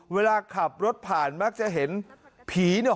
เวลาขับรถผ่านมักจะเห็นผีเนี่ย